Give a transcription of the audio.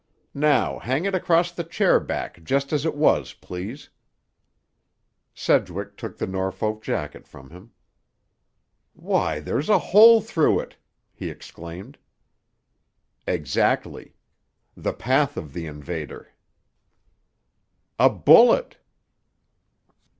"Now hang it across the chair back just as it was, please." Sedgwick took the Norfolk jacket from him. "Why, there's a hole through it!" he exclaimed. "Exactly: the path of the invader." "A bullet!"